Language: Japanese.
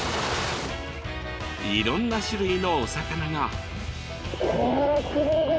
いろんな種類のお魚が。